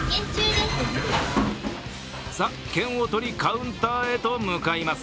さあ、券を取りカウンターへと向かいます。